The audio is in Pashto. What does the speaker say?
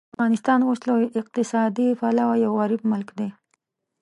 افغانستان اوس له اقتصادي پلوه یو غریب ملک دی.